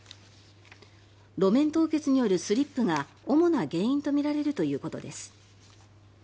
路面凍結によるスリップが主な原因とみられるということです。